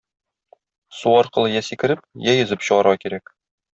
Су аркылы я сикереп, я йөзеп чыгарга кирәк.